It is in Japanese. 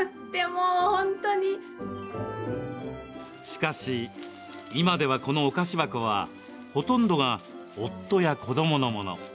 しかし、今ではこのお菓子箱はほとんどが夫や子どものもの。